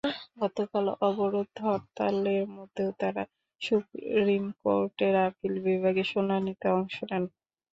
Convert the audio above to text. গতকাল অবরোধ-হরতালের মধ্যেও তাঁরা সুপ্রিম কোর্টের আপিল বিভাগে শুনানিতে অংশ নেন।